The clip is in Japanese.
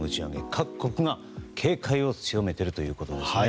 各国が警戒を強めているということですね。